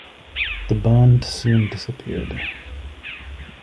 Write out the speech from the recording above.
The band soon disappeared.